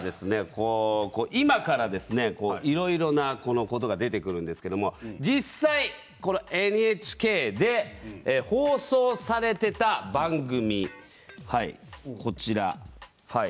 今からいろいろなことが出てくるんですけど実際ＮＨＫで放送されていた番組。